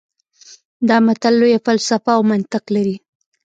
دا متل لویه فلسفه او منطق لري